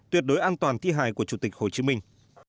tuyệt đối an toàn thi hài của chủ tịch hồ chí minh